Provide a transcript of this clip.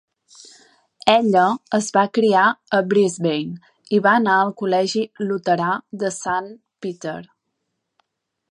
Ella es va criar a Brisbane, i va anar al Col·legi Luterà de Saint Peter.